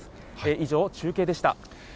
以上、中継でした。